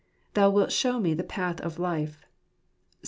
Thou wilt show me the path of life" (Psa.